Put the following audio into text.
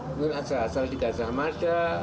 mungkin asal asal di gajah mardah